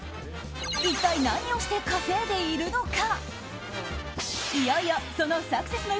一体何をして稼いでいるのか？